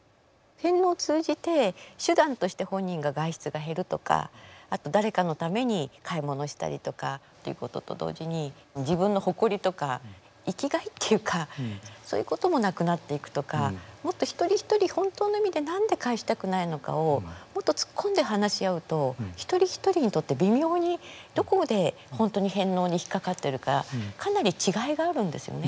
返納を通じて手段として本人が外出が減るとか誰かのために買い物をしたりとかっていうことと同時に自分の誇りとか生きがいっていうかそういうこともなくなっていくとかもっと一人一人本当の意味で何で返したくないのかをもっと突っ込んで話し合うと一人一人にとって微妙にどこで本当に返納に引っ掛かってるかかなり違いがあるんですよね。